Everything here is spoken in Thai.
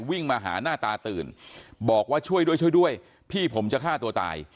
วิ่งมาหาหน้าตาตื่นบอกว่าช่วยด้วยช่วยด้วยพี่ผมจะฆ่าตัวตาย